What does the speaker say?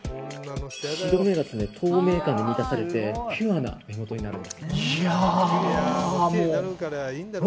白目が透明感が生み出されてピュアな目元になるんですね。